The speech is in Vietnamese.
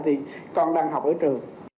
thì con đang học ở trường